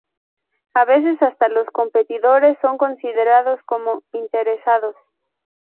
A veces hasta los competidores son considerados como "interesados".